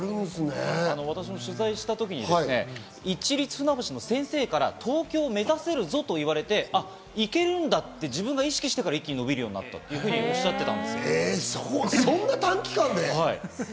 私も取材した時に市立船橋の先生から「東京を目指せるぞ」と言われて、「あっ、行けるんだ」って自分が意識してから伸びるようになったと、おっしゃってました。